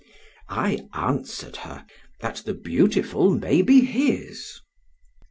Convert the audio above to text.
"I answered her, 'That the beautiful may be his.'